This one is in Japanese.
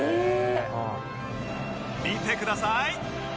見てください